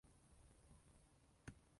札幌市厚別区